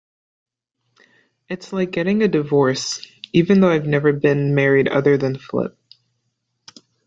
It's like getting a divorce; even though I've never been married other than Flip.